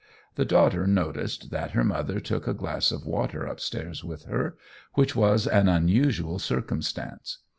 The daughter noticed that her mother took a glass of water upstairs with her, which was an unusual circumstance.